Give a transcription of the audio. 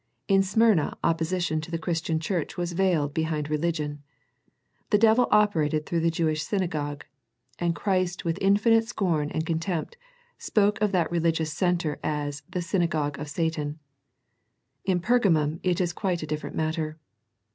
In Smyrna opposition to the Chris tian Church was veiled behind religion. The devil operated through the Jewish synagogue, and Christ with infinite scorn and contempt, spoke of that religious centre as the " syna gogue of Satan." In Pergamum it is quite a different matter.